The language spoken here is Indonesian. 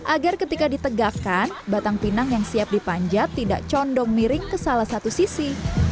agar ketika ditegakkan batang pinang yang siap dipanjat tidak condong miring ke salah satu sisi